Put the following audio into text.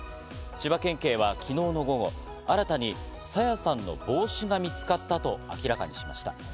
千葉県警は昨日の午後、新たに朝芽さんの帽子が見つかったと明らかにしました。